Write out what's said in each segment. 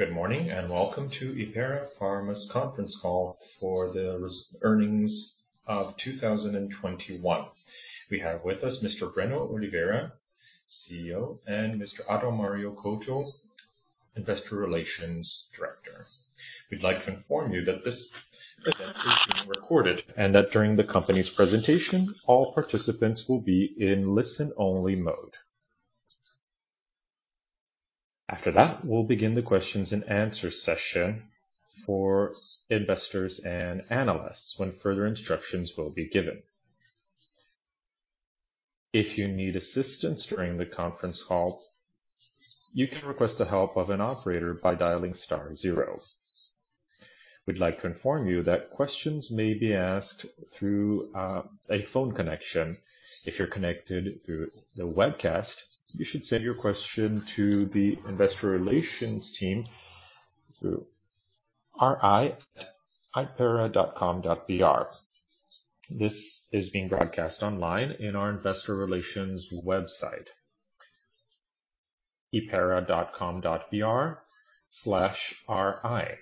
Good morning, and welcome to Hypera Pharma's conference call for the earnings of 2021. We have with us Mr. Breno Oliveira, CEO, and Mr. Adalmario Couto, Investor Relations Director. We'd like to inform you that this event is being recorded and that during the company's presentation, all participants will be in listen-only mode. After that, we'll begin the questions and answer session for investors and analysts when further instructions will be given. If you need assistance during the conference call, you can request the help of an operator by dialing star zero. We'd like to inform you that questions may be asked through a phone connection. If you're connected through the webcast, you should send your question to the investor relations team through ir@hypera.com.br. This is being broadcast online in our investor relations website, hypera.com.br/ri.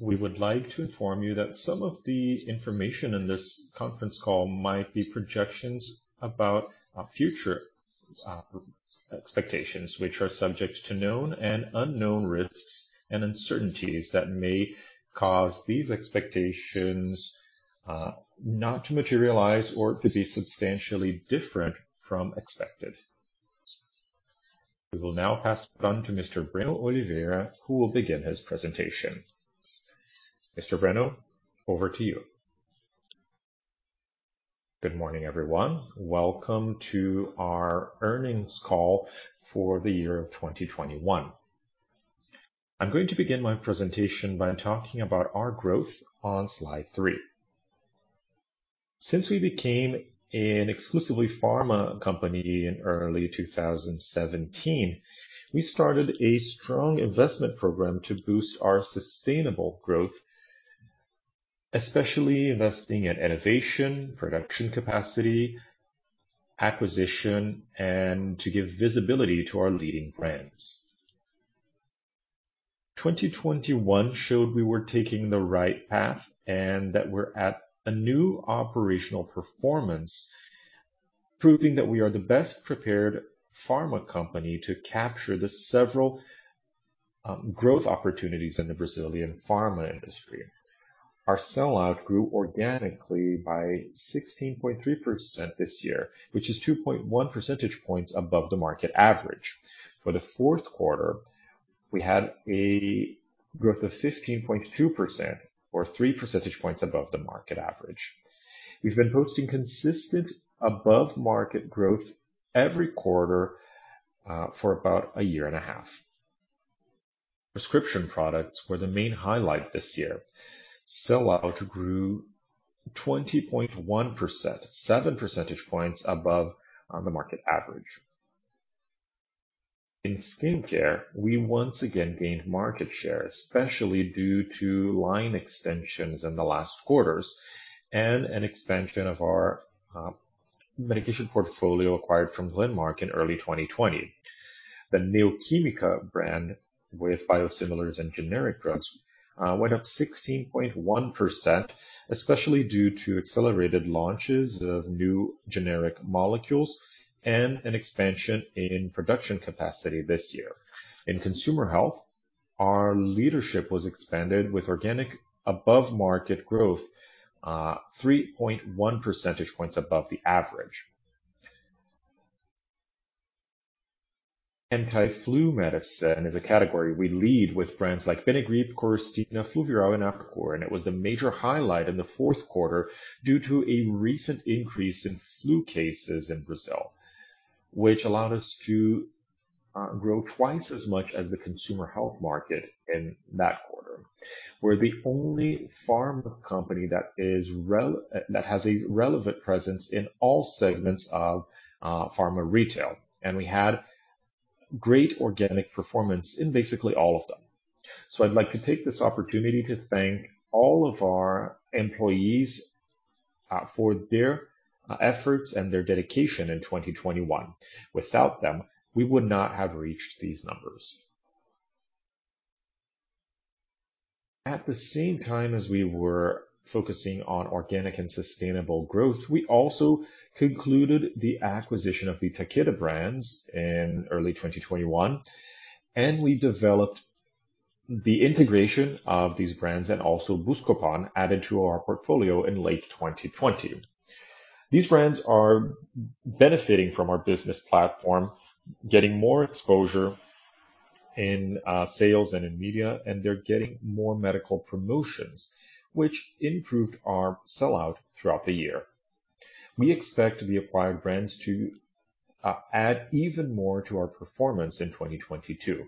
We would like to inform you that some of the information in this conference call might be projections about future expectations which are subject to known and unknown risks and uncertainties that may cause these expectations not to materialize or to be substantially different from expected. We will now pass it on to Mr. Breno Oliveira, who will begin his presentation. Mr. Breno, over to you. Good morning, everyone. Welcome to our earnings call for the year of 2021. I'm going to begin my presentation by talking about our growth on slide three. Since we became an exclusively pharma company in early 2017, we started a strong investment program to boost our sustainable growth, especially investing in innovation, production capacity, acquisition, and to give visibility to our leading brands. 2021 showed we were taking the right path and that we're at a new operational performance, proving that we are the best-prepared pharma company to capture the several growth opportunities in the Brazilian pharma industry. Our sell-out grew organically by 16.3% this year, which is 2.1 percentage points above the market average. For the fourth quarter, we had a growth of 15.2% or 3 percentage points above the market average. We've been posting consistent above-market growth every quarter for about a year and a half. Prescription products were the main highlight this year. Sell-out grew 20.1%, 7 percentage points above the market average. In skincare, we once again gained market share, especially due to line extensions in the last quarters and an expansion of our medication portfolio acquired from Landmark in early 2020. The Neo Química brand with biosimilars and generic drugs went up 16.1%, especially due to accelerated launches of new generic molecules and an expansion in production capacity this year. In consumer health, our leadership was expanded with organic above-market growth three point one percentage points above the average. Anti-flu medicine is a category we lead with brands like Benegrip, Coristina, Fluviral, and Apracur, and it was the major highlight in the fourth quarter due to a recent increase in flu cases in Brazil, which allowed us to grow twice as much as the consumer health market in that quarter. We're the only pharma company that has a relevant presence in all segments of pharma retail, and we had great organic performance in basically all of them. I'd like to take this opportunity to thank all of our employees for their efforts and their dedication in 2021. Without them, we would not have reached these numbers. At the same time as we were focusing on organic and sustainable growth, we also concluded the acquisition of the Takeda brands in early 2021, and we developed the integration of these brands and also Buscopan added to our portfolio in late 2020. These brands are benefiting from our business platform, getting more exposure in sales and in media, and they're getting more medical promotions which improved our sell-out throughout the year. We expect the acquired brands to add even more to our performance in 2022.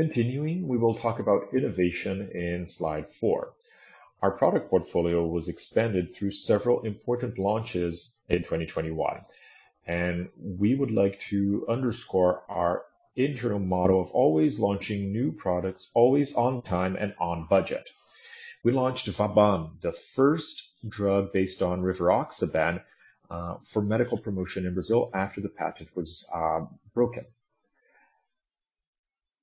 Continuing, we will talk about innovation in slide four. Our product portfolio was expanded through several important launches in 2021, and we would like to underscore our internal model of always launching new products, always on time and on budget. We launched Fabiane, the first drug based on rivaroxaban, for medical promotion in Brazil after the patent was broken,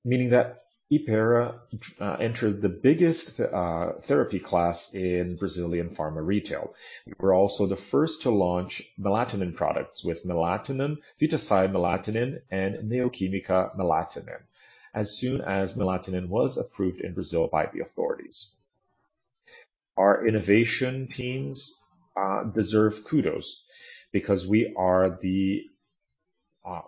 meaning that Hypera entered the biggest therapy class in Brazilian pharma retail. We're also the first to launch melatonin products with melatonin, Vitasay melatonin, and Neo Química melatonin, as soon as melatonin was approved in Brazil by the authorities. Our innovation teams deserve kudos because we are the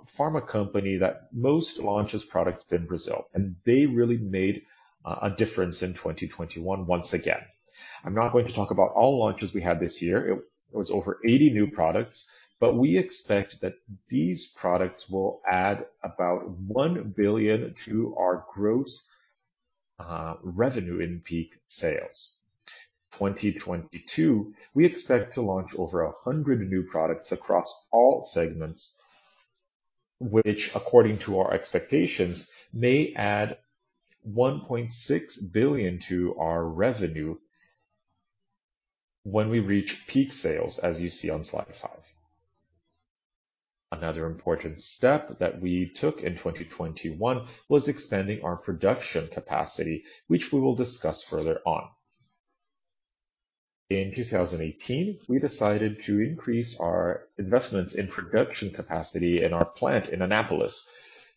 pharma company that most launches products in Brazil, and they really made a difference in 2021 once again. I'm not going to talk about all launches we had this year. It was over 80 new products, but we expect that these products will add about 1 billion to our gross revenue in peak sales. 2022, we expect to launch over 100 new products across all segments, which according to our expectations, may add 1.6 billion to our revenue when we reach peak sales, as you see on slide five. Another important step that we took in 2021 was expanding our production capacity, which we will discuss further on. In 2018, we decided to increase our investments in production capacity in our plant in Anápolis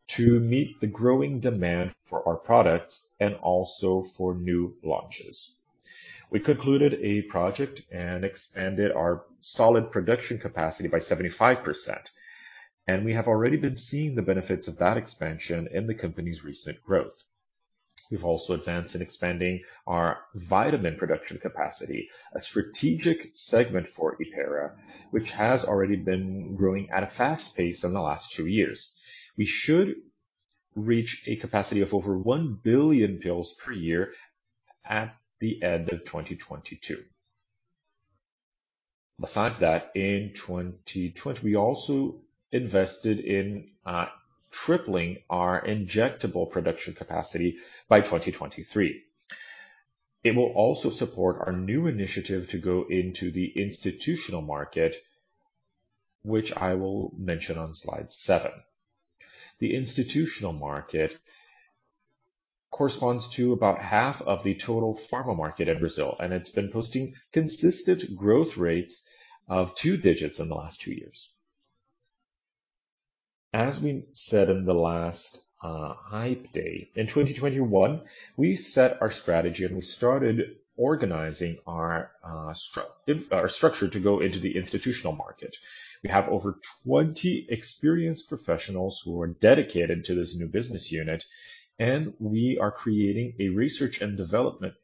to meet the growing demand for our products and also for new launches. We concluded a project and expanded our solid production capacity by 75%, and we have already been seeing the benefits of that expansion in the company's recent growth. We've also advanced in expanding our vitamin production capacity, a strategic segment for Hypera, which has already been growing at a fast pace in the last two years. We should reach a capacity of over 1 billion pills per year at the end of 2022. Besides that, in 2020, we also invested in tripling our injectable production capacity by 2023. It will also support our new initiative to go into the institutional market, which I will mention on slide seven. The institutional market corresponds to about half of the total pharma market in Brazil, and it's been posting consistent growth rates of two digits in the last two years. As we said in the last Hype Day, in 2021, we set our strategy, and we started organizing our structure to go into the institutional market. We have over 20 experienced professionals who are dedicated to this new business unit, and we are creating a research and development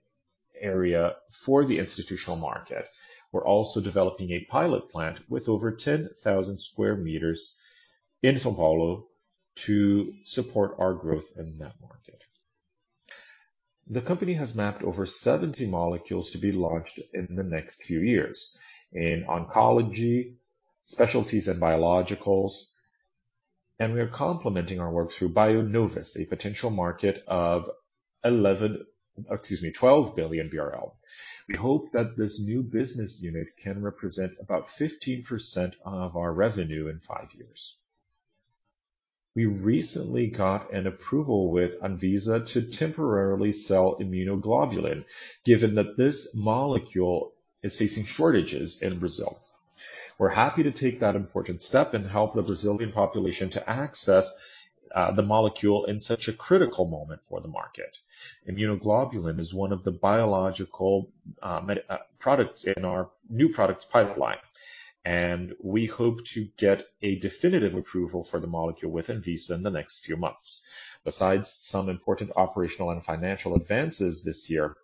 area for the institutional market. We're also developing a pilot plant with over 10,000 sq m in São Paulo to support our growth in that market. The company has mapped over 70 molecules to be launched in the next few years in oncology, specialties, and biologicals, and we are complementing our work through Bionovis, a potential market of BRL 12 billion. We hope that this new business unit can represent about 15% of our revenue in five years. We recently got an approval with Anvisa to temporarily sell immunoglobulin, given that this molecule is facing shortages in Brazil. We're happy to take that important step and help the Brazilian population to access the molecule in such a critical moment for the market. Immunoglobulin is one of the biological products in our new products pipeline, and we hope to get a definitive approval for the molecule with Anvisa in the next few months. Besides some important operational and financial advances this year,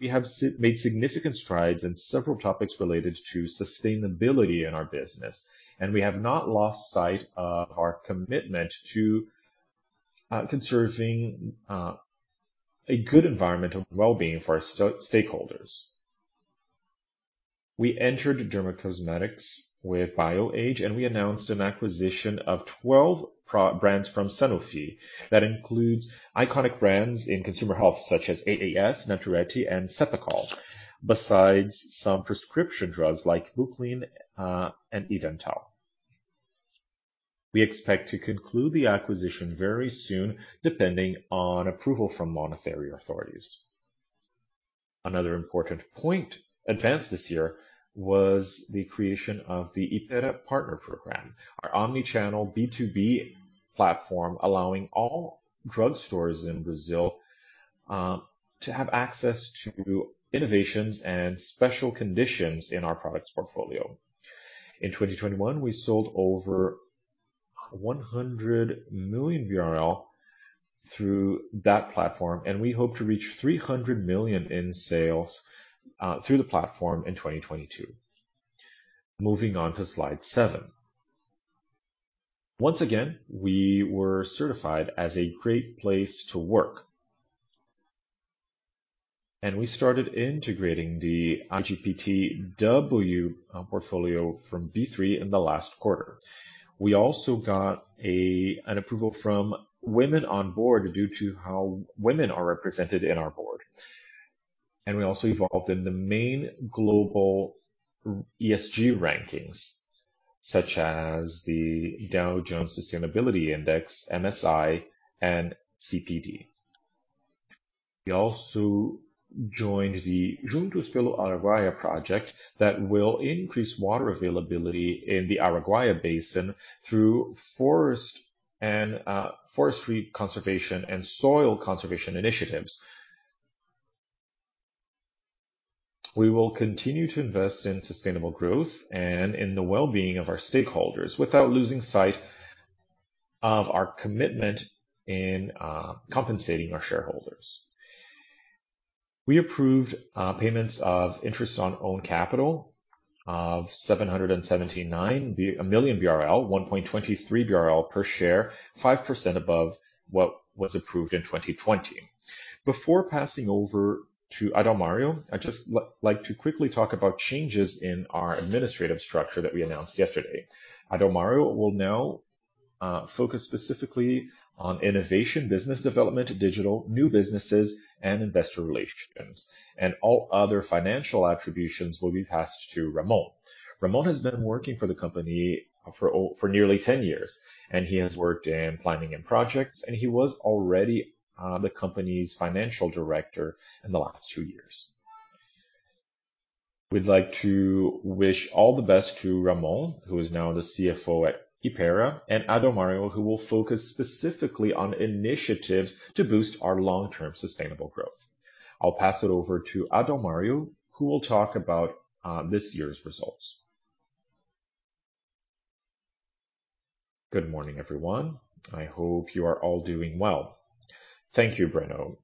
we have made significant strides in several topics related to sustainability in our business, and we have not lost sight of our commitment to conserving a good environment and well-being for our stakeholders. We entered dermocosmetics with Bioage, and we announced an acquisition of 12 brands from Sanofi. That includes iconic brands in consumer health such as AAS, Naturetti, and Cepacol, besides some prescription drugs like Buclina and Evental. We expect to conclude the acquisition very soon, depending on approval from monetary authorities. Another important point advanced this year was the creation of the Hypera Partner Program, our omni-channel B2B platform, allowing all drugstores in Brazil to have access to innovations and special conditions in our products portfolio. In 2021, we sold over BRL 100 million through that platform, and we hope to reach 300 million in sales through the platform in 2022. Moving on to slide seven. Once again, we were certified as a Great Place to Work, and we started integrating the IGPTW portfolio from B3 in the last quarter. We also got an approval from Women on Board due to how women are represented in our board. We also evolved in the main global ESG rankings, such as the Dow Jones Sustainability Index, MSCI and CDP. We also joined the Junto pelo Araguaia project that will increase water availability in the Araguaia Basin through forest and forestry conservation and soil conservation initiatives. We will continue to invest in sustainable growth and in the well-being of our stakeholders without losing sight of our commitment in compensating our shareholders. We approved payments of interest on own capital of 779 million BRL, 1.23 BRL per share, 5% above what was approved in 2020. Before passing over to Adalmario, I'd just like to quickly talk about changes in our administrative structure that we announced yesterday. Adalmario will now focus specifically on innovation, business development, digital, new businesses, and investor relations. All other financial attributions will be passed to Ramon. Ramon has been working for the company for nearly 10 years, and he has worked in planning and projects, and he was already the company's Financial Director in the last two years. We'd like to wish all the best to Ramon, who is now the CFO at Hypera, and Adalmario, who will focus specifically on initiatives to boost our long-term sustainable growth. I'll pass it over to Adalmario, who will talk about this year's results. Good morning, everyone. I hope you are all doing well. Thank you, Breno.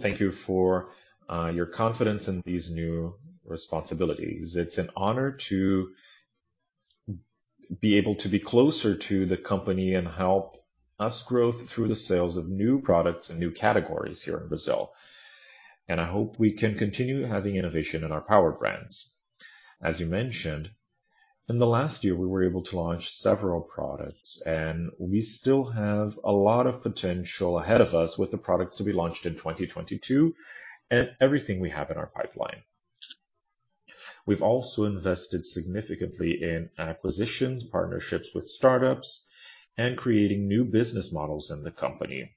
Thank you for your confidence in these new responsibilities. It's an honor to be able to be closer to the company and help us grow through the sales of new products and new categories here in Brazil, and I hope we can continue having innovation in our power brands. As you mentioned, in the last year, we were able to launch several products, and we still have a lot of potential ahead of us with the products to be launched in 2022 and everything we have in our pipeline. We've also invested significantly in acquisitions, partnerships with startups, and creating new business models in the company.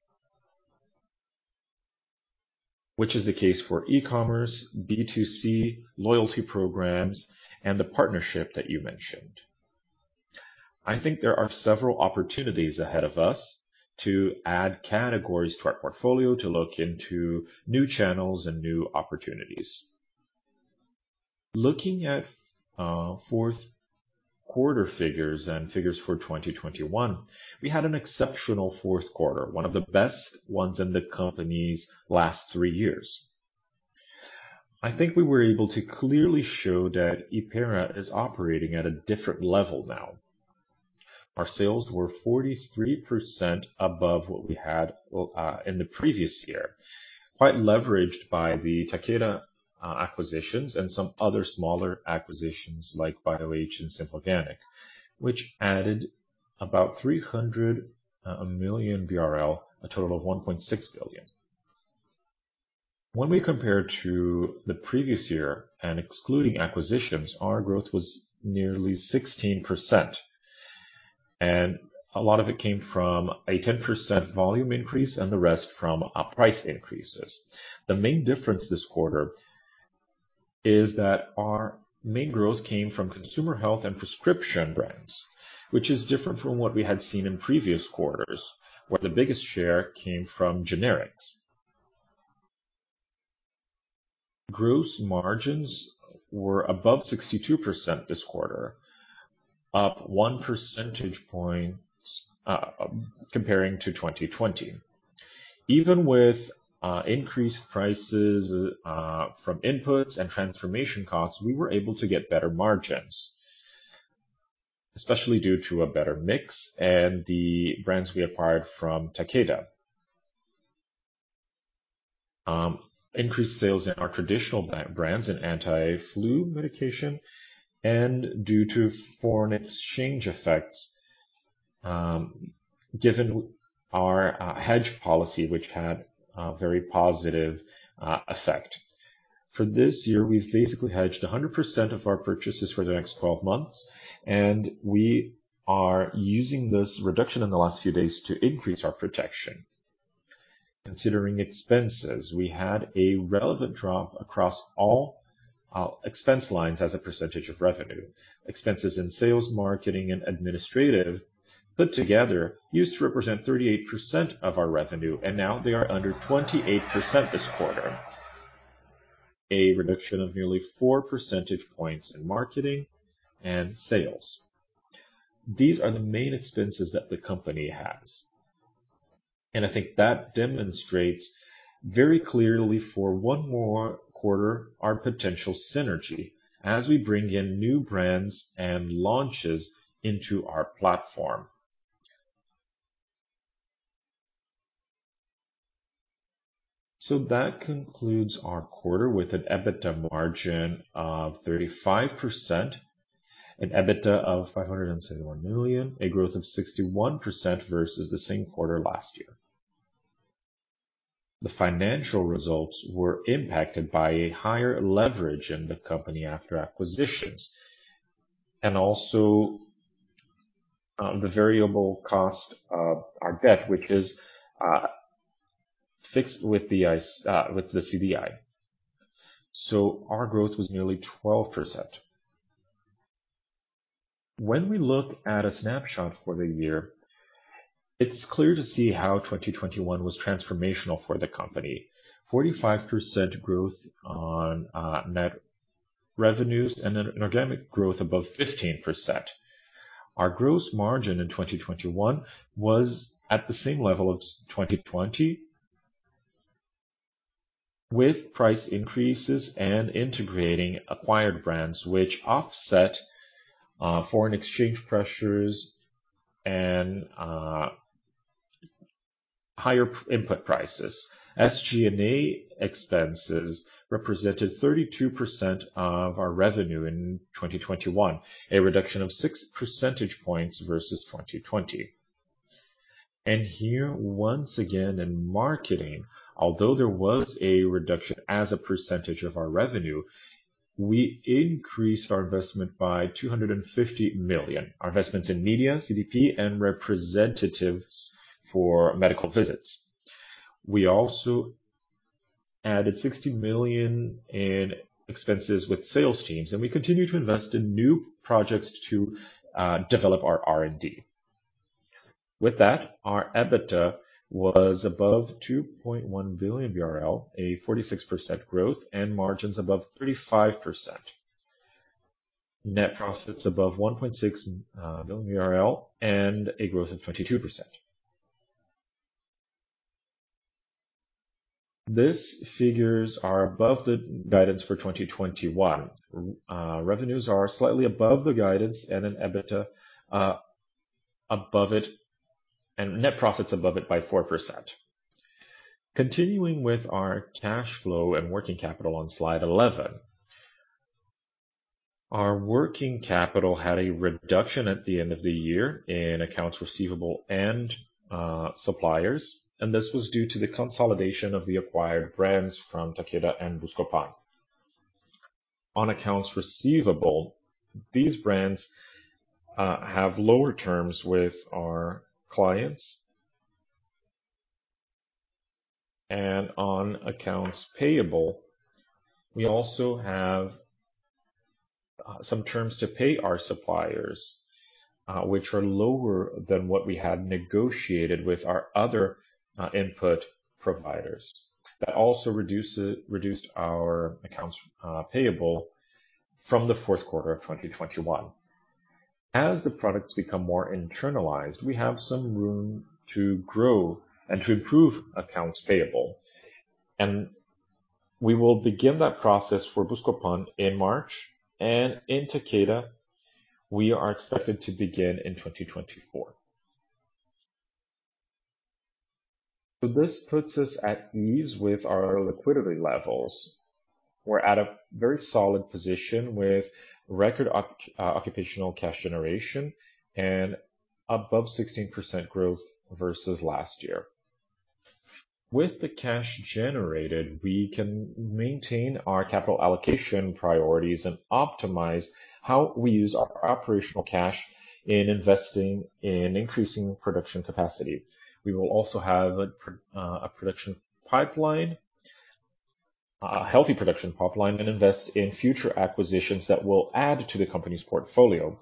Which is the case for e-commerce, B2C, loyalty programs, and the partnership that you mentioned. I think there are several opportunities ahead of us to add categories to our portfolio to look into new channels and new opportunities. Looking at fourth quarter figures and figures for 2021, we had an exceptional fourth quarter, one of the best ones in the company's last three years. I think we were able to clearly show that Hypera is operating at a different level now. Our sales were 43% above what we had in the previous year, quite leveraged by the Takeda acquisitions and some other smaller acquisitions like Bioage and Simple Organic, which added about 300 million BRL, a total of 1.6 billion. When we compare to the previous year and excluding acquisitions, our growth was nearly 16%, and a lot of it came from a 10% volume increase and the rest from price increases. The main difference this quarter is that our main growth came from consumer health and prescription brands, which is different from what we had seen in previous quarters, where the biggest share came from generics. Gross margins were above 62% this quarter, up one percentage points comparing to 2020. Even with increased prices from inputs and transformation costs, we were able to get better margins, especially due to a better mix and the brands we acquired from Takeda. Increased sales in our traditional brands and anti-flu medication and due to foreign exchange effects, given our hedge policy, which had a very positive effect. For this year, we've basically hedged 100% of our purchases for the next 12 months, and we are using this reduction in the last few days to increase our protection. Considering expenses, we had a relevant drop across all expense lines as a percentage of revenue. Expenses in sales, marketing, and administrative put together used to represent 38% of our revenue, and now they are under 28% this quarter. A reduction of nearly four percentage points in marketing and sales. These are the main expenses that the company has. I think that demonstrates very clearly for one more quarter our potential synergy as we bring in new brands and launches into our platform. That concludes our quarter with an EBITDA margin of 35%. An EBITDA of 571 million, a growth of 61% versus the same quarter last year. The financial results were impacted by a higher leverage in the company after acquisitions, and also, the variable cost of our debt, which is fixed with the CDI. Our growth was nearly 12%. When we look at a snapshot for the year, it's clear to see how 2021 was transformational for the company. 45% growth on net revenues and an organic growth above 15%. Our gross margin in 2021 was at the same level of 2020. With price increases and integrating acquired brands which offset foreign exchange pressures and higher input prices. SG&A expenses represented 32% of our revenue in 2021, a reduction of six percentage points versus 2020. Here, once again, in marketing, although there was a reduction as a percentage of our revenue, we increased our investment by 250 million. Our investments in media, CDP, and representatives for medical visits. We also added 60 million in expenses with sales teams, and we continue to invest in new projects to develop our R&D. With that, our EBITDA was above 2.1 billion BRL, a 46% growth and margins above 35%. Net profits above 1.6 billion and a growth of 22%. These figures are above the guidance for 2021. Revenues are slightly above the guidance and an EBITDA above it, and net profits above it by 4%. Continuing with our cash flow and working capital on slide 11. Our working capital had a reduction at the end of the year in accounts receivable and suppliers, and this was due to the consolidation of the acquired brands from Takeda and Buscopan. On accounts receivable, these brands have lower terms with our clients. On accounts payable, we also have some terms to pay our suppliers, which are lower than what we had negotiated with our other input providers. That also reduced our accounts payable from the fourth quarter of 2021. As the products become more internalized, we have some room to grow and to improve accounts payable. We will begin that process for Buscopan in March, and in Takeda, we are expected to begin in 2024. This puts us at ease with our liquidity levels. We're at a very solid position with record operational cash generation and above 16% growth versus last year. With the cash generated, we can maintain our capital allocation priorities and optimize how we use our operational cash in investing in increasing production capacity. We will also have a production pipeline, a healthy production pipeline, and invest in future acquisitions that will add to the company's portfolio.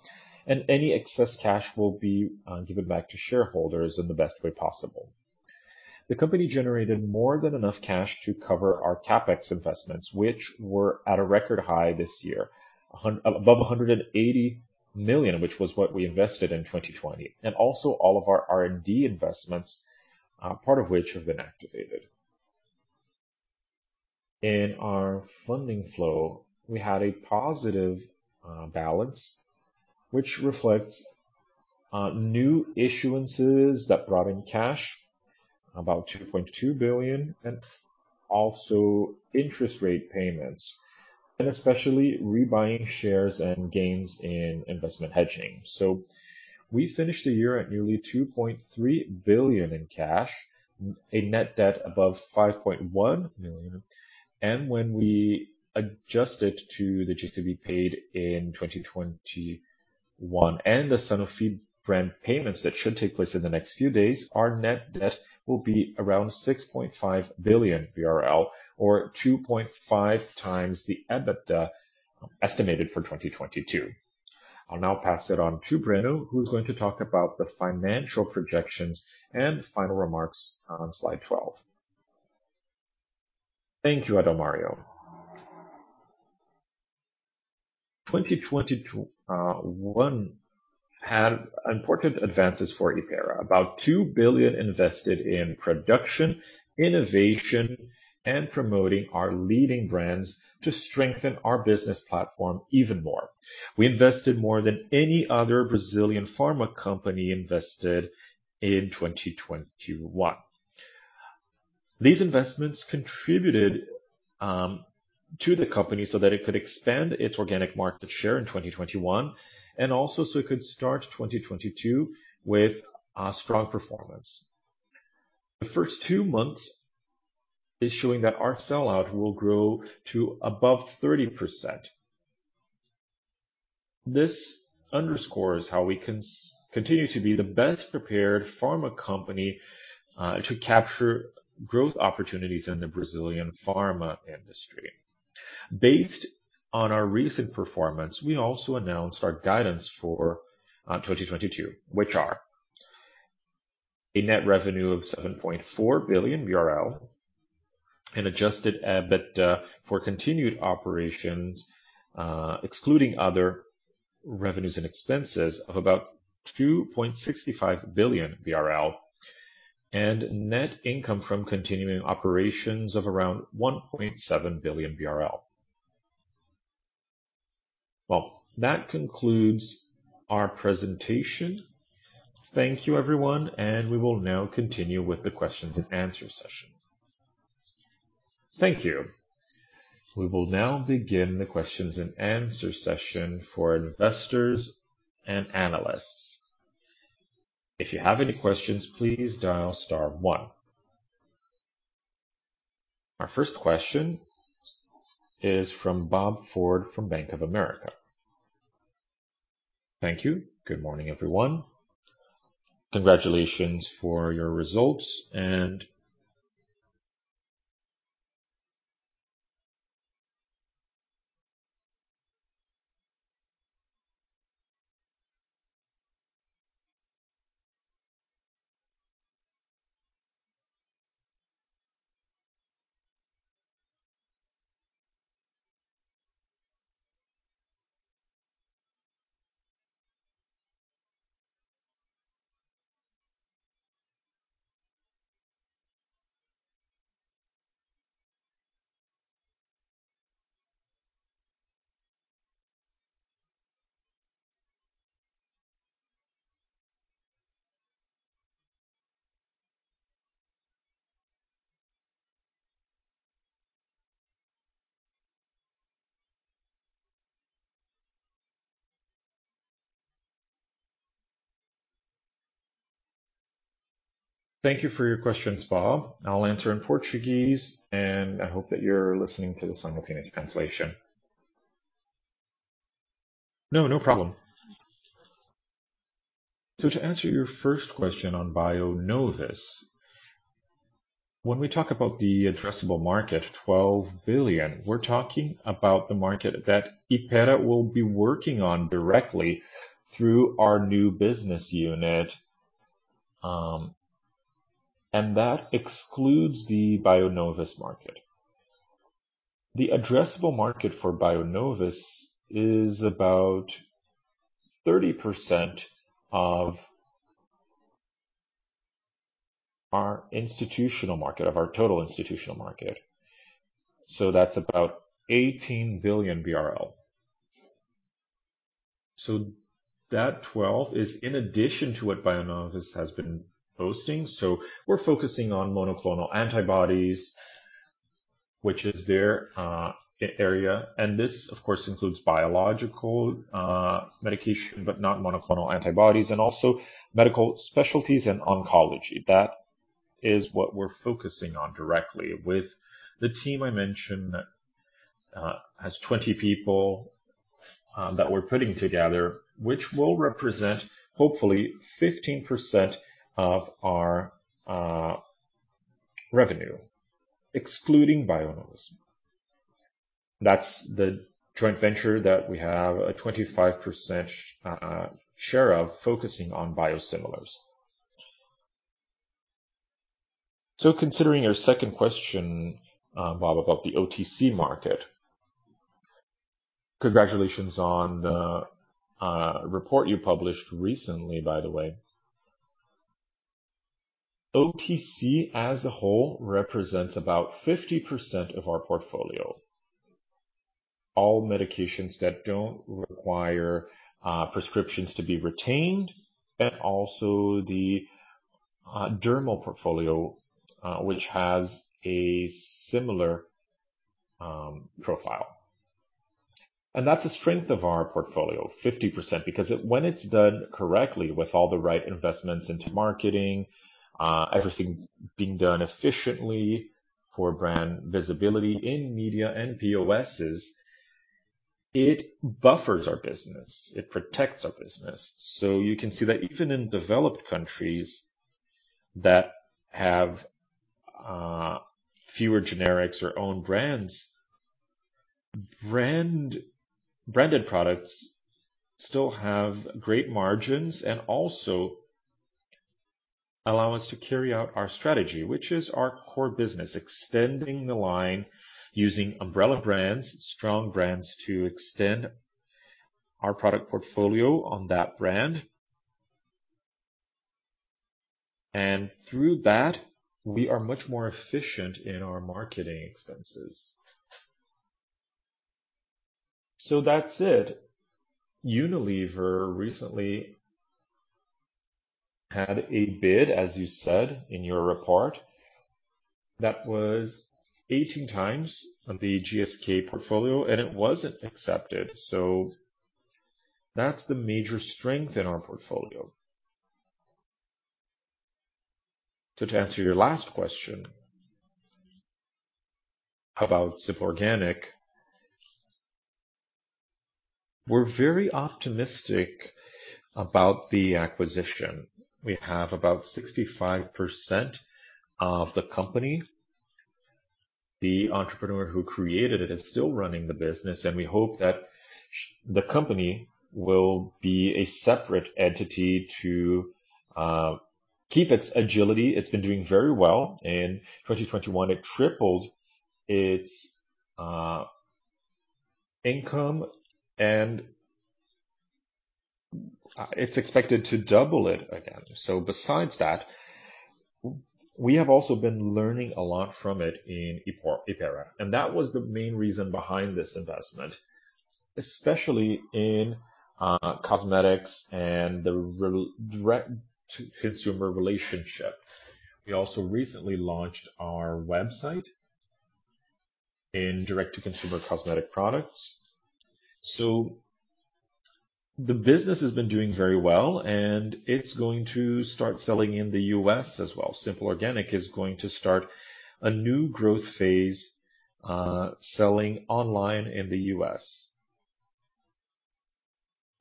Any excess cash will be given back to shareholders in the best way possible. The company generated more than enough cash to cover our CapEx investments, which were at a record high this year, above 180 million, which was what we invested in 2020, and also all of our R&D investments, part of which have been activated. In our funding flow, we had a positive balance, which reflects new issuances that brought in cash, about 2.2 billion, and also interest rate payments, and especially rebuying shares and gains in investment hedging. We finished the year at nearly 2.3 billion in cash, a net debt above 5.1 million. When we adjust it to the GTV paid in 2021 and the Sanofi brand payments that should take place in the next few days, our net debt will be around 6.5 billion BRL or 2.5x the EBITDA estimated for 2022. I'll now pass it on to Breno, who's going to talk about the financial projections and final remarks on slide 12. Thank you, Adalmario. 2021 had important advances for Hypera. About 2 billion BRL invested in production, innovation, and promoting our leading brands to strengthen our business platform even more. We invested more than any other Brazilian pharma company invested in 2021. These investments contributed to the company so that it could expand its organic market share in 2021 and also so it could start 2022 with a strong performance. The first two months is showing that our sell-out will grow to above 30%. This underscores how we continue to be the best-prepared pharma company to capture growth opportunities in the Brazilian pharma industry. Based on our recent performance, we also announced our guidance for 2022, which are a net revenue of 7.4 billion, an adjusted EBITDA for continued operations, excluding other revenues and expenses of about 2.65 billion BRL, and net income from continuing operations of around 1.7 billion BRL. Well, that concludes our presentation. Thank you, everyone, and we will now continue with the questions-and-answer session. Thank you. We will now begin the questions-and-answer session for investors and analysts. Our first question is from Bob Ford from Bank of America. Thank you. Good morning, everyone. Congratulations for your results. Thank you for your questions, Bob. I'll answer in Portuguese, and I hope that you're listening to the simultaneous translation. No, no problem. To answer your first question on Bionovis, when we talk about the addressable market, 12 billion, we're talking about the market that Hypera will be working on directly through our new business unit, and that excludes the Bionovis market. The addressable market for Bionovis is about 30% of our institutional market, of our total institutional market. That's about BRL 18 billion. That twelve is in addition to what Bionovis has been posting. We're focusing on monoclonal antibodies, which is their area. This of course includes biological medication, but not monoclonal antibodies and also medical specialties and oncology. That is what we're focusing on directly with the team I mentioned that has 20 people that we're putting together, which will represent hopefully 15% of our revenue, excluding Bionovis. That's the joint venture that we have a 25% share of focusing on biosimilars. Considering your second question, Bob, about the OTC market. Congratulations on the report you published recently, by the way. OTC as a whole represents about 50% of our portfolio. All medications that don't require prescriptions to be obtained and also the dermocosmetics portfolio, which has a similar profile. That's a strength of our portfolio, 50%, because it, when it's done correctly with all the right investments into marketing, everything being done efficiently for brand visibility in media and POSs, it buffers our business. It protects our business. You can see that even in developed countries that have fewer generics or own brands, branded products still have great margins and also allow us to carry out our strategy, which is our core business, extending the line using umbrella brands, strong brands, to extend our product portfolio on that brand. And through that, we are much more efficient in our marketing expenses. That's it. Unilever recently had a bid, as you said in your report, that was 18 times the GSK portfolio, and it wasn't accepted. That's the major strength in our portfolio. To answer your last question about Simple Organic, we're very optimistic about the acquisition. We have about 65% of the company. The entrepreneur who created it is still running the business, and we hope that the company will be a separate entity to keep its agility. It's been doing very well. In 2021, it tripled its income, and it's expected to double it again. Besides that, we have also been learning a lot from it in Hypera, and that was the main reason behind this investment, especially in cosmetics and the direct-to-consumer relationship. We also recently launched our website in direct-to-consumer cosmetic products. The business has been doing very well, and it's going to start selling in the U.S. as well. Simple Organic is going to start a new growth phase, selling online in the U.S.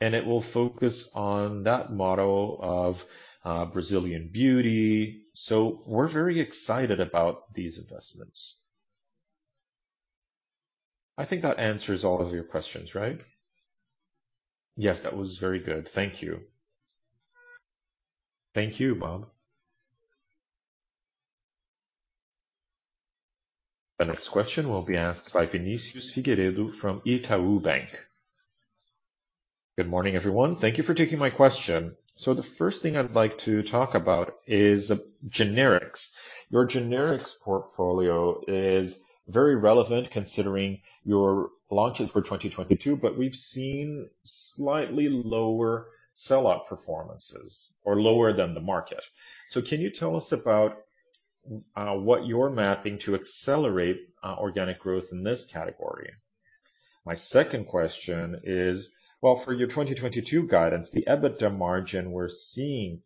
It will focus on that model of Brazilian beauty. We're very excited about these investments. I think that answers all of your questions, right? Yes, that was very good. Thank you. Thank you, Bob. The next question will be asked by Vinicius Figueiredo from Itaú Bank. Good morning, everyone. Thank you for taking my question. The first thing I'd like to talk about is generics. Your generics portfolio is very relevant considering your launches for 2022, but we've seen slightly lower sell-out performances or lower than the market. Can you tell us about what you're mapping to accelerate organic growth in this category? My second question is, well, for your 2022 guidance, the EBITDA margin we're seeing,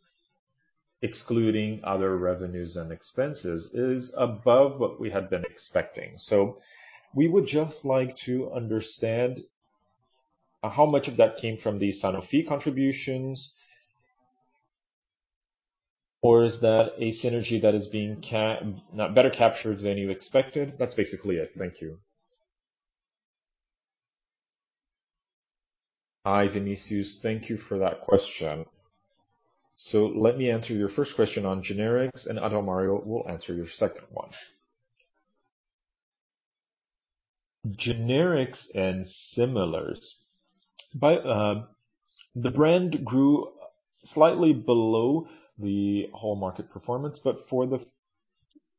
excluding other revenues and expenses, is above what we had been expecting. We would just like to understand how much of that came from the Sanofi contributions, or is that a synergy that is being better captured than you expected? That's basically it. Thank you. Hi, Vinicius. Thank you for that question. Let me answer your first question on generics, and Adalmario will answer your second one. Generics and similars. By the brand grew slightly below the whole market performance, but for the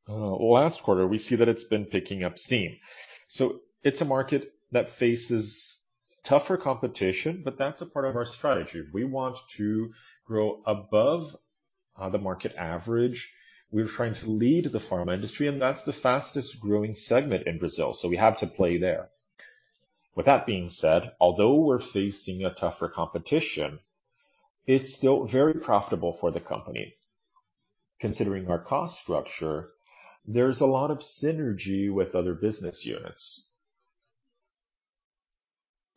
last quarter, we see that it's been picking up steam. It's a market that faces tougher competition, but that's a part of our strategy. We want to grow above the market average. We're trying to lead the pharma industry, and that's the fastest-growing segment in Brazil, so we have to play there. With that being said, although we're facing a tougher competition, it's still very profitable for the company. Considering our cost structure, there's a lot of synergy with other business units.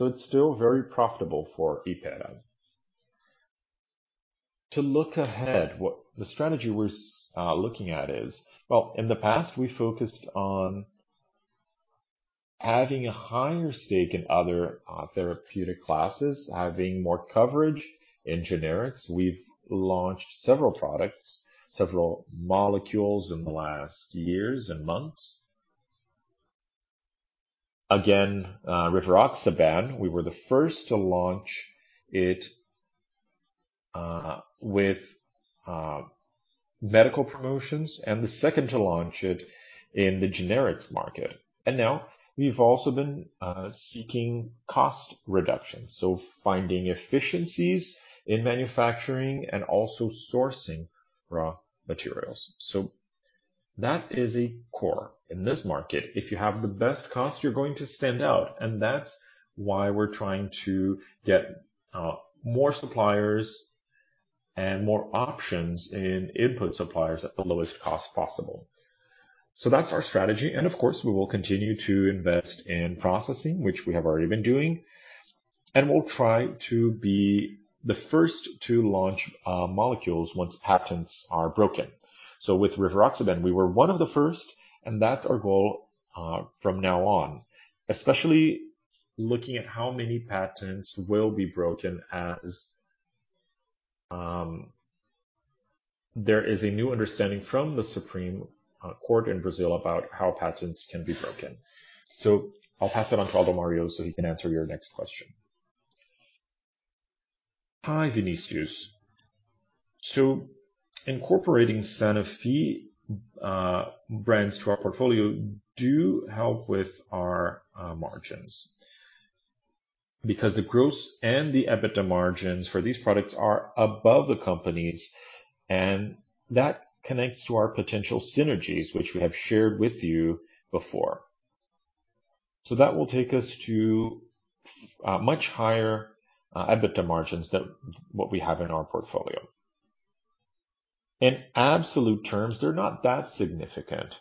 It's still very profitable for Hypera. To look ahead, the strategy we're looking at is. Well, in the past we focused on having a higher stake in other therapeutic classes, having more coverage in generics. We've launched several products, several molecules in the last years and months. Again, rivaroxaban, we were the first to launch it with medical promotions and the second to launch it in the generics market. Now we've also been seeking cost reductions, so finding efficiencies in manufacturing and also sourcing raw materials. That is a core. In this market, if you have the best cost, you're going to stand out, and that's why we're trying to get more suppliers and more options in input suppliers at the lowest cost possible. That's our strategy, and of course, we will continue to invest in processing, which we have already been doing, and we'll try to be the first to launch molecules once patents are broken. With rivaroxaban, we were one of the first, and that's our goal from now on, especially looking at how many patents will be broken as there is a new understanding from the Supreme Court in Brazil about how patents can be broken. I'll pass it on to Adalmario so he can answer your next question. Hi, Vinícius. Incorporating Sanofi brands to our portfolio do help with our margins because the gross and the EBITDA margins for these products are above the companies, and that connects to our potential synergies, which we have shared with you before. That will take us to much higher EBITDA margins than what we have in our portfolio. In absolute terms, they're not that significant,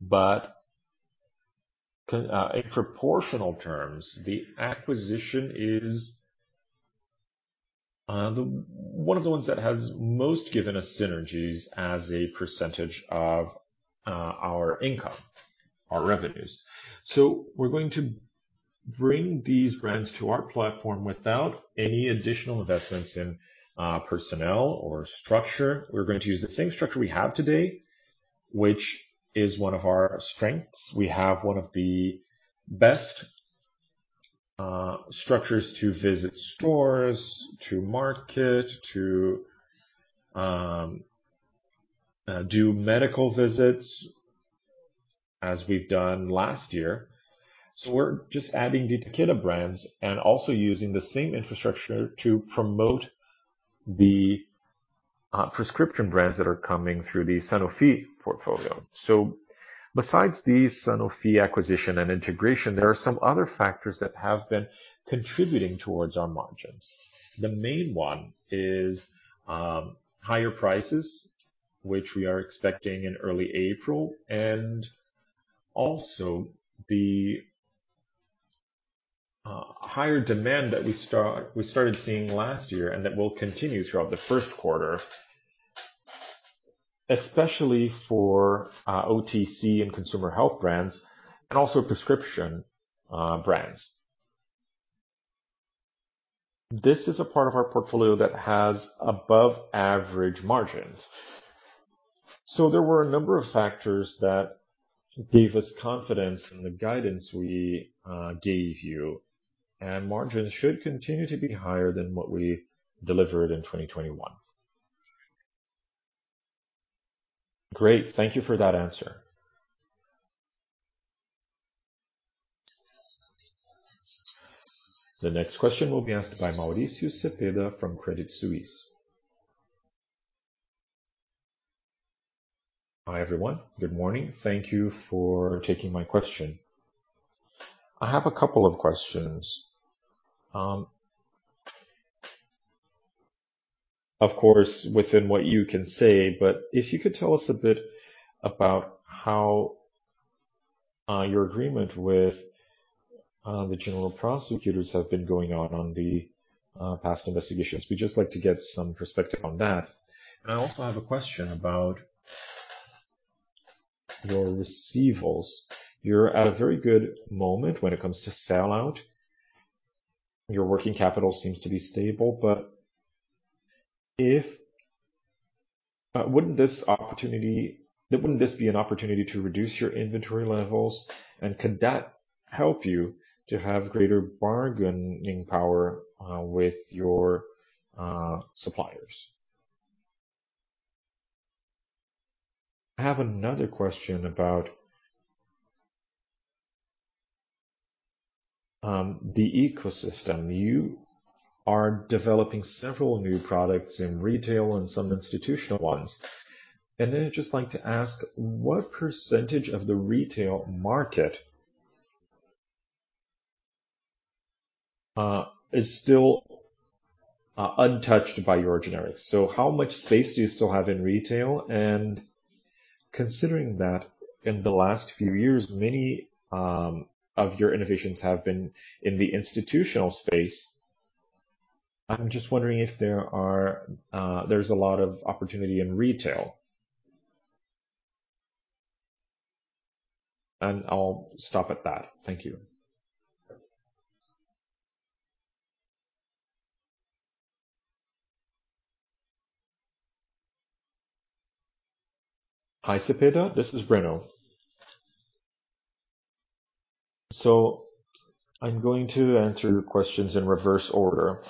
but, in proportional terms, the acquisition is, one of the ones that has most given us synergies as a percentage of, our income, our revenues. We're going to bring these brands to our platform without any additional investments in, personnel or structure. We're going to use the same structure we have today, which is one of our strengths. We have one of the best, structures to visit stores, to market, to, do medical visits as we've done last year. We're just adding the Takeda brands and also using the same infrastructure to promote the, prescription brands that are coming through the Sanofi portfolio. Besides the Sanofi acquisition and integration, there are some other factors that have been contributing towards our margins. The main one is higher prices, which we are expecting in early April, and also the higher demand that we started seeing last year and that will continue throughout the first quarter, especially for OTC and consumer health brands and also prescription brands. This is a part of our portfolio that has above average margins. There were a number of factors that gave us confidence in the guidance we gave you, and margins should continue to be higher than what we delivered in 2021. Great. Thank you for that answer. The next question will be asked by Mauricio Cepeda from Credit Suisse. Hi, everyone. Good morning. Thank you for taking my question. I have a couple of questions. Of course, within what you can say, but if you could tell us a bit about how your agreement with the general prosecutors have been going on the past investigations. We'd just like to get some perspective on that. I also have a question about your receivables. You're at a very good moment when it comes to sell-out. Your working capital seems to be stable, but wouldn't this be an opportunity to reduce your inventory levels? Could that help you to have greater bargaining power with your suppliers? I have another question about the ecosystem. You are developing several new products in retail and some institutional ones. I'd just like to ask, what percentage of the retail market is still untouched by your generics? How much space do you still have in retail? Considering that in the last few years, many of your innovations have been in the institutional space, I'm just wondering if there's a lot of opportunity in retail. I'll stop at that. Thank you. Hi, Cepeda. This is Breno. I'm going to answer your questions in reverse order.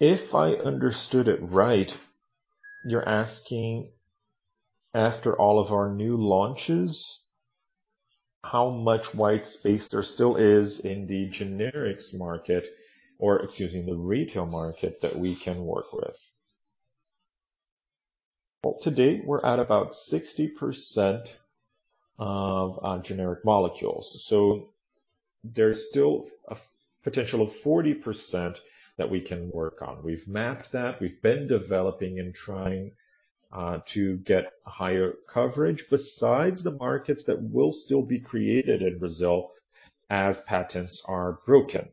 If I understood it right, you're asking after all of our new launches, how much white space there still is in the generics market, or excuse me, in the retail market that we can work with. Well, to date, we're at about 60% of our generic molecules. There's still a potential of 40% that we can work on. We've mapped that. We've been developing and trying to get higher coverage besides the markets that will still be created in Brazil as patents are broken.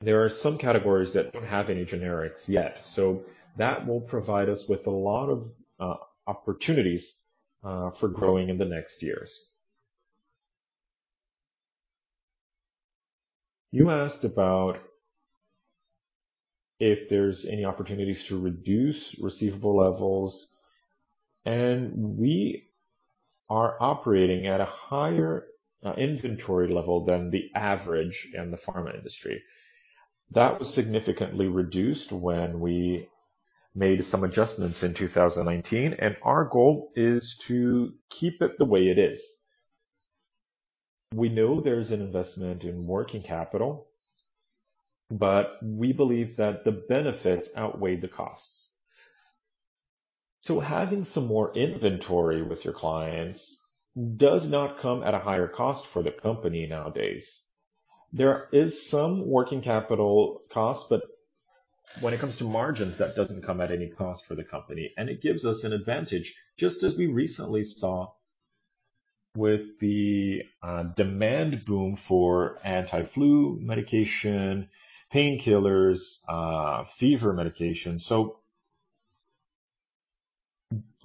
There are some categories that don't have any generics yet, so that will provide us with a lot of opportunities for growing in the next years. You asked about if there's any opportunities to reduce receivable levels. We are operating at a higher inventory level than the average in the pharma industry. That was significantly reduced when we made some adjustments in 2019, and our goal is to keep it the way it is. We know there's an investment in working capital, but we believe that the benefits outweigh the costs. Having some more inventory with your clients does not come at a higher cost for the company nowadays. There is some working capital cost, but when it comes to margins, that doesn't come at any cost for the company. It gives us an advantage, just as we recently saw with the demand boom for anti-flu medication, painkillers, fever medication.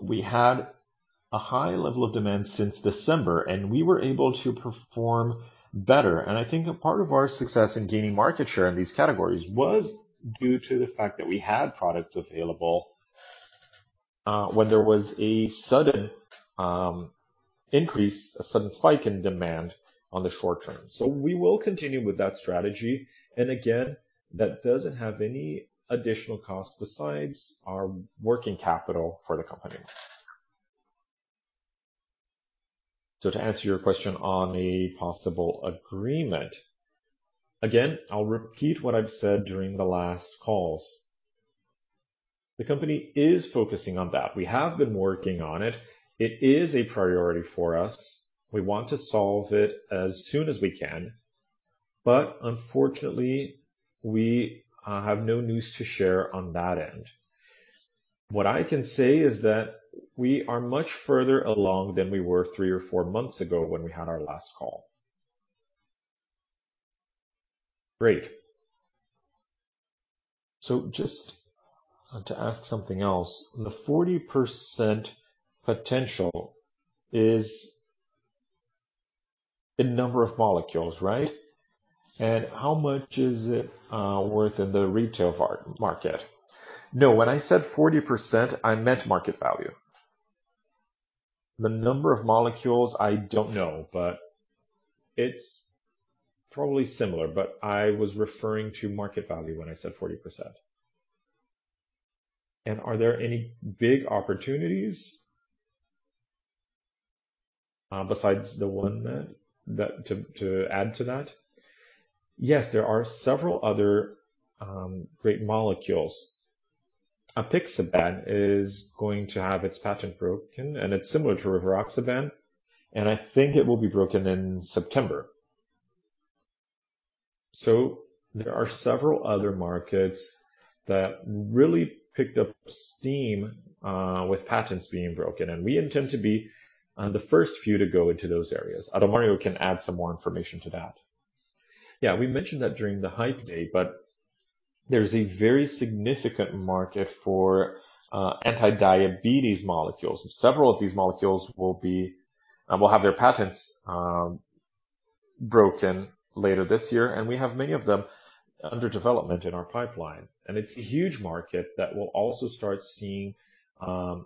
We had a high level of demand since December, and we were able to perform better. I think a part of our success in gaining market share in these categories was due to the fact that we had products available when there was a sudden increase, a sudden spike in demand on the short term. We will continue with that strategy. Again, that doesn't have any additional cost besides our working capital for the company. To answer your question on a possible agreement, again, I'll repeat what I've said during the last calls. The company is focusing on that. We have been working on it. It is a priority for us. We want to solve it as soon as we can, but unfortunately, we have no news to share on that end. What I can say is that we are much further along than we were three or four months ago when we had our last call. Great. So just to ask something else, the 40% potential is a number of molecules, right? And how much is it worth in the retail pharma market? No, when I said 40%, I meant market value. The number of molecules, I don't know, but it's probably similar. But I was referring to market value when I said 40%. And are there any big opportunities besides the one to add to that? Yes, there are several other great molecules. Apixaban is going to have its patent broken, and it's similar to rivaroxaban, and I think it will be broken in September. There are several other markets that really picked up steam with patents being broken, and we intend to be the first few to go into those areas. Adalmario can add some more information to that. We mentioned that during the Hype Day, but there's a very significant market for anti-diabetes molecules. Several of these molecules will have their patents broken later this year, and we have many of them under development in our pipeline. It's a huge market that will also start seeing some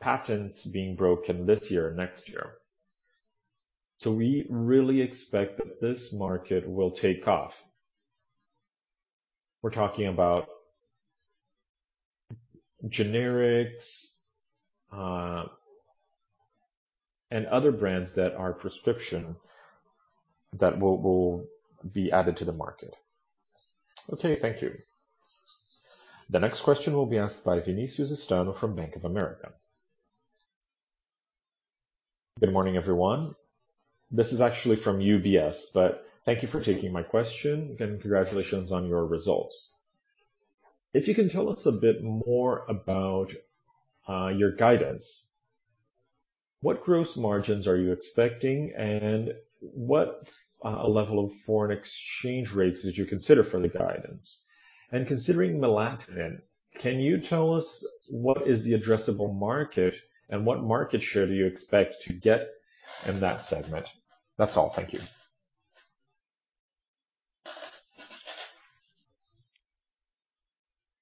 patents being broken this year or next year. We really expect that this market will take off. We're talking about generics and other brands that are prescription that will be added to the market. Okay. Thank you. The next question will be asked by Vinicius Figueiredo from Bank of America. Good morning, everyone. This is actually from UBS, but thank you for taking my question and congratulations on your results. If you can tell us a bit more about your guidance, what gross margins are you expecting and what level of foreign exchange rates did you consider for the guidance? And considering melatonin, can you tell us what is the addressable market and what market share do you expect to get in that segment? That's all. Thank you.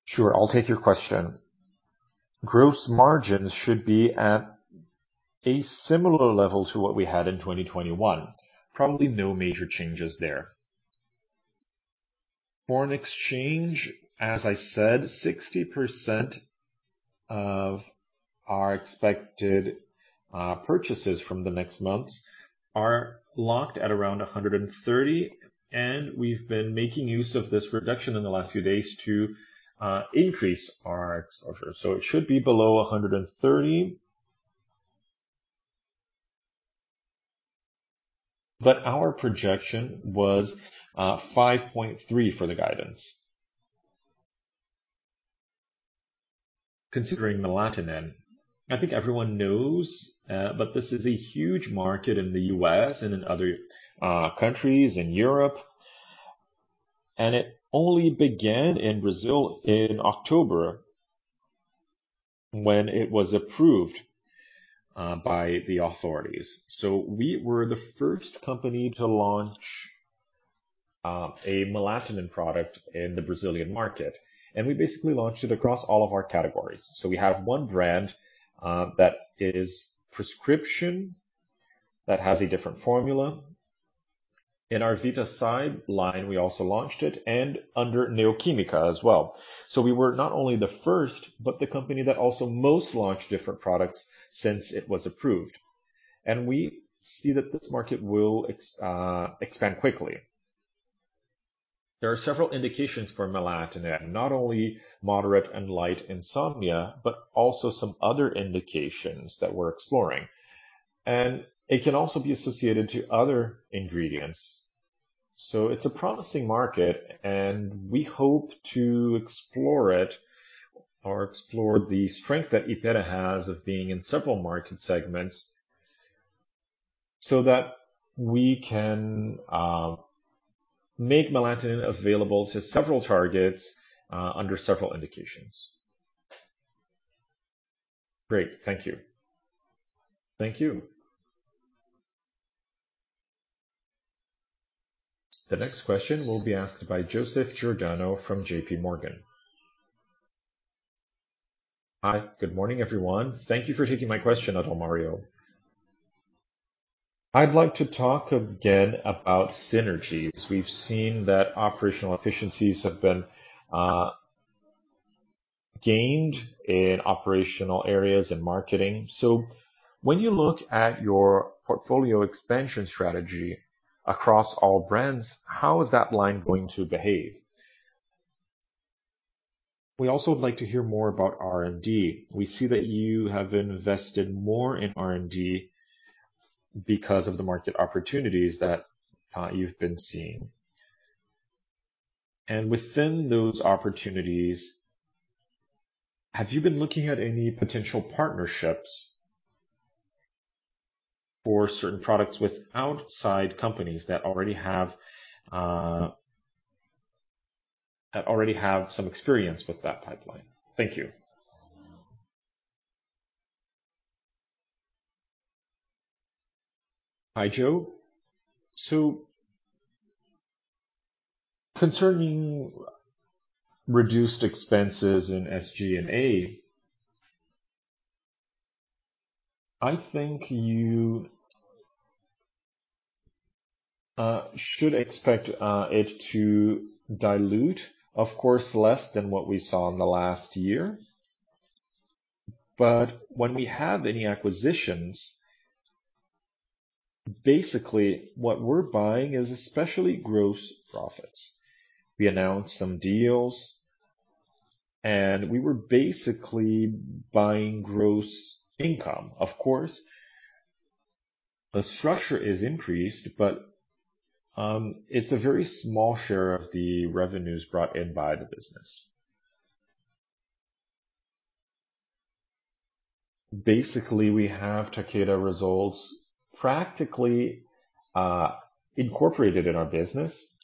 Sure. I'll take your question. Gross margins should be at a similar level to what we had in 2021. Probably no major changes there. Foreign exchange, as I said, 60% of our expected purchases from the next months are locked at around 130, and we've been making use of this reduction in the last few days to increase our exposure. It should be below 130. Our projection was 5.3 for the guidance. Considering melatonin then, I think everyone knows, but this is a huge market in the U.S. and in other countries in Europe, and it only began in Brazil in October when it was approved by the authorities. We were the first company to launch a melatonin product in the Brazilian market, and we basically launched it across all of our categories. We have one brand that is prescription, that has a different formula. In our Vitasay line, we also launched it and under Neo Química as well. We were not only the first, but the company that also most launched different products since it was approved. We see that this market will expand quickly. There are several indications for melatonin, not only moderate and light insomnia, but also some other indications that we're exploring. It can also be associated to other ingredients. It's a promising market, and we hope to explore it or explore the strength that Hypera has of being in several market segments, so that we can make melatonin available to several targets under several indications. Great. Thank you. Thank you. The next question will be asked by Joseph Giordano from JPMorgan. Hi. Good morning, everyone. Thank you for taking my question, Adalmario. I'd like to talk again about synergies. We've seen that operational efficiencies have been gained in operational areas and marketing. When you look at your portfolio expansion strategy across all brands, how is that line going to behave? We also would like to hear more about R&D. We see that you have invested more in R&D because of the market opportunities that you've been seeing. Within those opportunities, have you been looking at any potential partnerships for certain products with outside companies that already have some experience with that pipeline? Thank you. Hi, Joe. Concerning reduced expenses in SG&A, I think you should expect it to dilute, of course, less than what we saw in the last year. When we have any acquisitions, basically what we're buying is especially gross profits. We announced some deals. We were basically buying gross income. Of course, the structure is increased, but it's a very small share of the revenues brought in by the business. Basically, we have Takeda results practically incorporated in our business.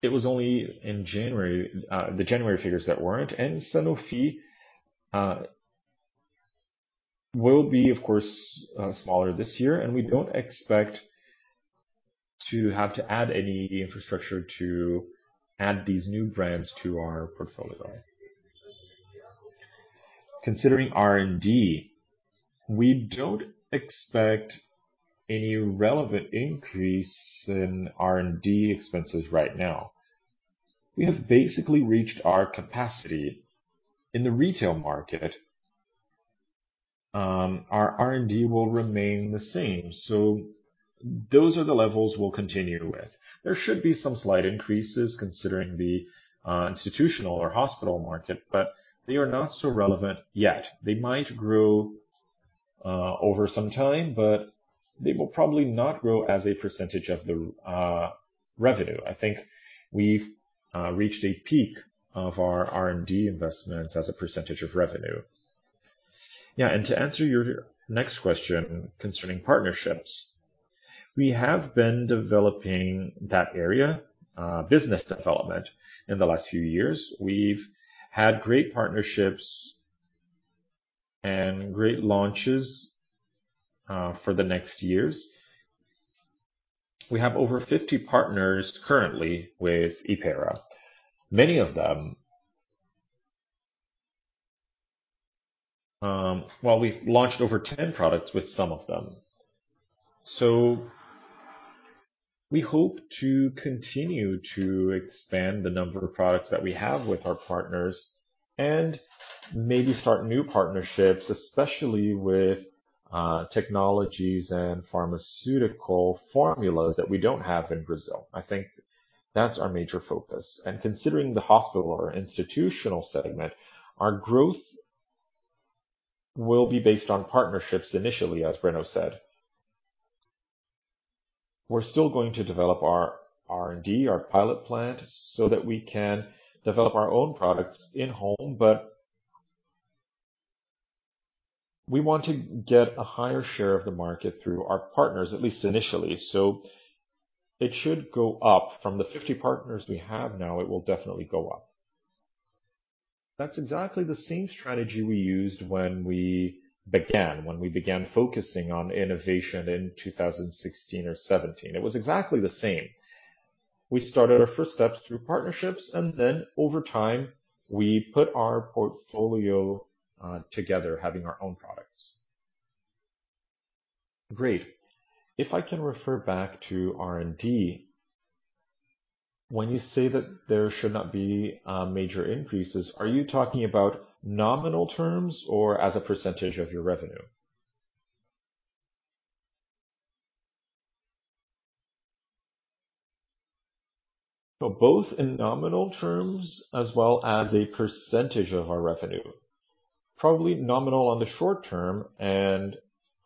It was only in January, the January figures that weren't, and Sanofi will be, of course, smaller this year, and we don't expect to have to add any infrastructure to add these new brands to our portfolio. Considering R&D, we don't expect any relevant increase in R&D expenses right now. We have basically reached our capacity in the retail market. Our R&D will remain the same. Those are the levels we'll continue with. There should be some slight increases considering the institutional or hospital market, but they are not so relevant yet. They might grow over some time, but they will probably not grow as a percentage of the revenue. I think we've reached a peak of our R&D investments as a percentage of revenue. To answer your next question concerning partnerships, we have been developing that area, business development in the last few years. We've had great partnerships and great launches, for the next years. We have over 50 partners currently with Hypera, many of them. Well, we've launched over 10 products with some of them. We hope to continue to expand the number of products that we have with our partners and maybe start new partnerships, especially with, technologies and pharmaceutical formulas that we don't have in Brazil. I think that's our major focus. Considering the hospital or institutional segment, our growth will be based on partnerships initially, as Breno said. We're still going to develop our R&D, our pilot plant, so that we can develop our own products in-home, but we want to get a higher share of the market through our partners, at least initially. It should go up. From the 50 partners we have now, it will definitely go up. That's exactly the same strategy we used when we began focusing on innovation in 2016 or 2017. It was exactly the same. We started our first steps through partnerships, and then over time, we put our portfolio together, having our own products. Great. If I can refer back to R&D, when you say that there should not be major increases, are you talking about nominal terms or as a percentage of your revenue? Both in nominal terms as well as a percentage of our revenue. Probably nominal on the short term and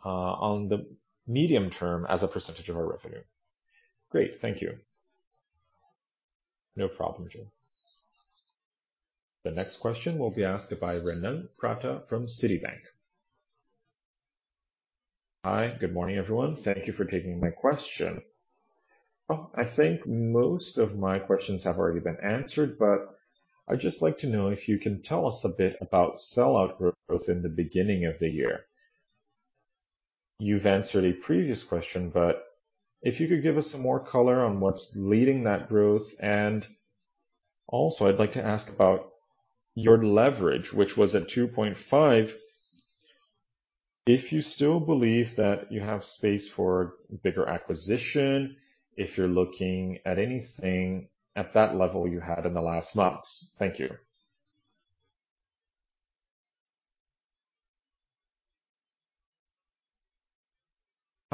on the medium term as a percentage of our revenue. Great. Thank you. No problem, Joe. The next question will be asked by Renan Prata from Citi. Hi. Good morning, everyone. Thank you for taking my question. Well, I think most of my questions have already been answered, but I'd just like to know if you can tell us a bit about sell-out growth in the beginning of the year. You've answered a previous question, but if you could give us some more color on what's leading that growth. Also I'd like to ask about your leverage, which was at 2.5. If you still believe that you have space for bigger acquisition, if you're looking at anything at that level you had in the last months. Thank you.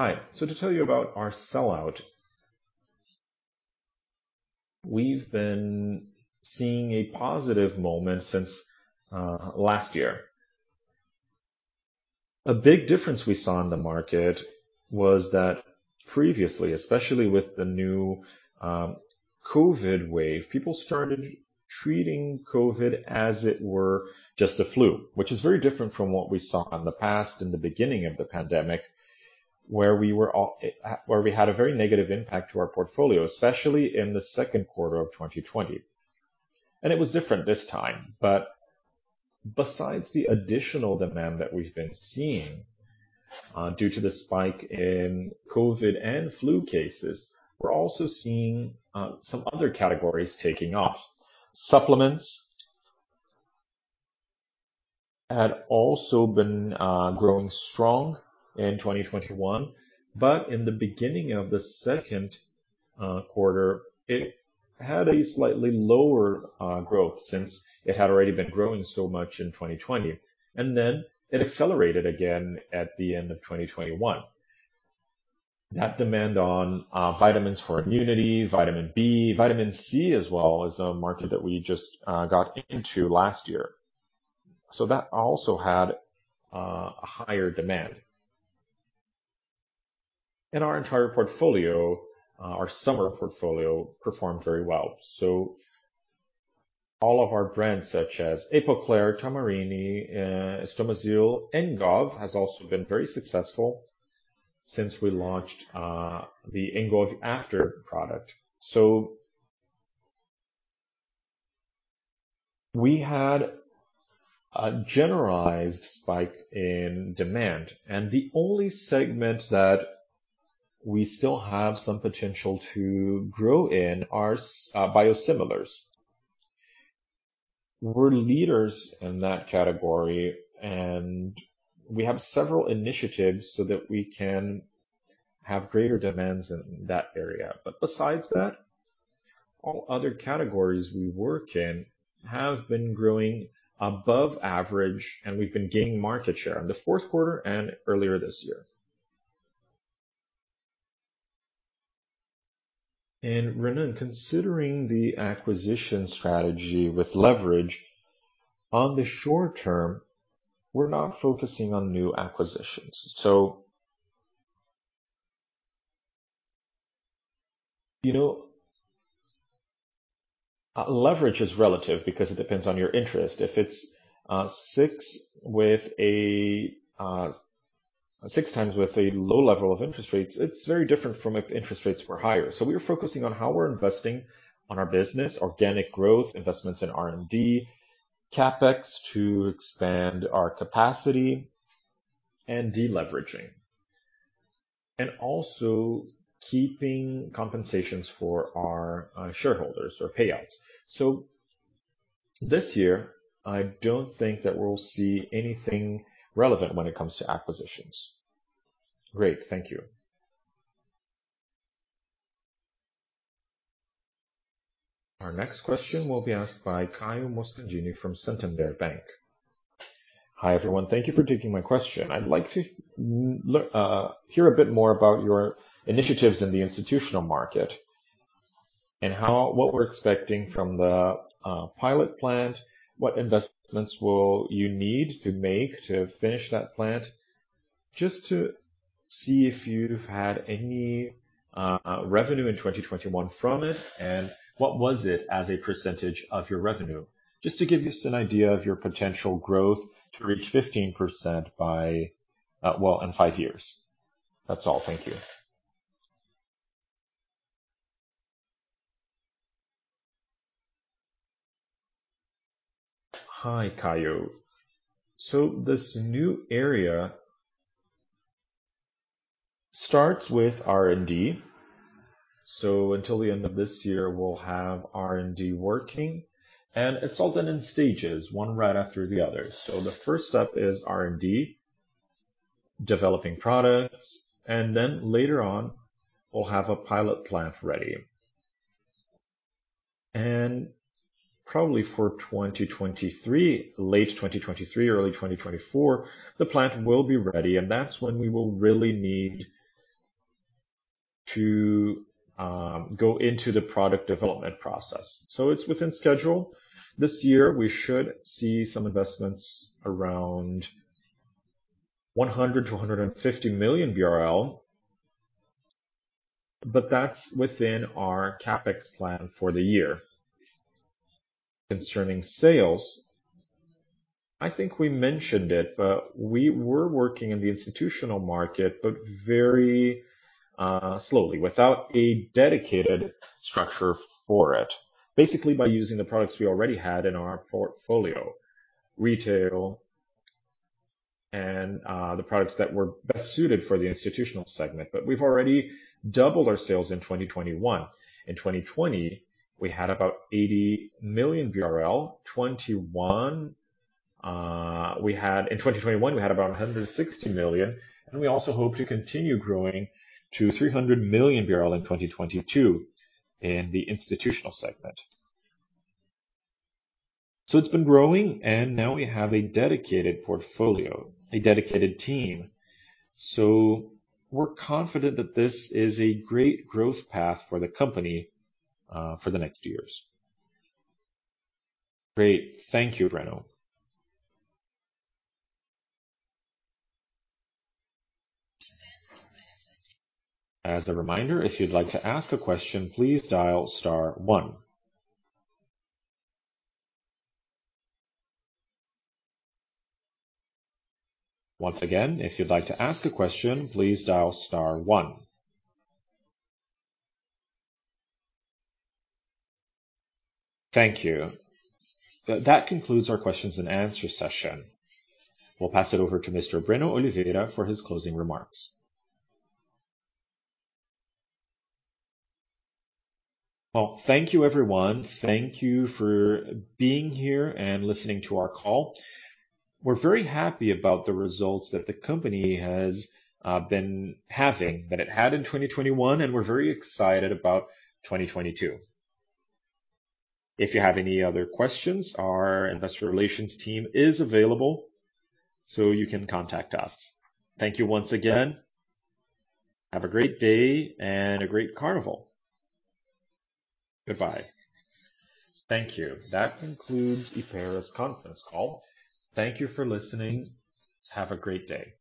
Hi. To tell you about our sell-out, we've been seeing a positive moment since last year. A big difference we saw in the market was that previously, especially with the new COVID wave, people started treating COVID as it were just a flu, which is very different from what we saw in the past, in the beginning of the pandemic, where we had a very negative impact to our portfolio, especially in the second quarter of 2020. It was different this time. Besides the additional demand that we've been seeing due to the spike in COVID and flu cases, we're also seeing some other categories taking off. Supplements had also been growing strong in 2021, but in the beginning of the second quarter, it had a slightly lower growth since it had already been growing so much in 2020. Then it accelerated again at the end of 2021. That demand on vitamins for immunity, vitamin B, vitamin C as well is a market that we just got into last year. That also had a higher demand. In our entire portfolio, our summer portfolio performed very well. All of our brands such as Epocler, Tamarine, Estomazil, Engov, has also been very successful since we launched the Engov After product. We had a generalized spike in demand, and the only segment that we still have some potential to grow in are biosimilars. We're leaders in that category, and we have several initiatives so that we can have greater demands in that area. Besides that, all other categories we work in have been growing above average, and we've been gaining market share in the fourth quarter and earlier this year. Renan, considering the acquisition strategy with leverage, on the short term, we're not focusing on new acquisitions. You know, leverage is relative because it depends on your interest. If it's six with a low level of interest rates, it's very different from if interest rates were higher. We are focusing on how we're investing on our business, organic growth, investments in R&D, CapEx to expand our capacity and deleveraging. Also keeping compensations for our shareholders or payouts. This year, I don't think that we'll see anything relevant when it comes to acquisitions. Great. Thank you. Our next question will be asked by Caio Moscardini from Santander. Hi, everyone. Thank you for taking my question. I'd like to hear a bit more about your initiatives in the institutional market and what we're expecting from the pilot plant. What investments will you need to make to finish that plant? Just to see if you've had any revenue in 2021 from it, and what was it as a percentage of your revenue? Just to give us an idea of your potential growth to reach 15% by, well, in five years. That's all. Thank you. Hi, Caio. This new area starts with R&D. Until the end of this year, we'll have R&D working, and it's all done in stages, one right after the other. The first step is R&D, developing products, and then later on, we'll have a pilot plant ready. Probably for 2023, late 2023, early 2024, the plant will be ready, and that's when we will really need to go into the product development process. It's within schedule. This year, we should see some investments around 100 million-150 million BRL, but that's within our CapEx plan for the year. Concerning sales, I think we mentioned it, but we were working in the institutional market, but very slowly, without a dedicated structure for it. Basically, by using the products we already had in our portfolio, retail and the products that were best suited for the institutional segment. We've already doubled our sales in 2021. In 2020, we had about BRL 80 million. In 2021, we had about 160 million, and we also hope to continue growing to BRL 300 million in 2022 in the institutional segment. It's been growing, and now we have a dedicated portfolio, a dedicated team. We're confident that this is a great growth path for the company, for the next years. Great. Thank you, Breno. That concludes our Q&A session. We'll pass it over to Mr. Breno Oliveira for his closing remarks. Thank you, everyone. Thank you for being here and listening to our call. We're very happy about the results that the company has been having, that it had in 2021, and we're very excited about 2022. If you have any other questions, our investor relations team is available, so you can contact us. Thank you once again. Have a great day and a great carnival. Goodbye. Thank you. That concludes Hypera's conference call. Thank you for listening. Have a great day.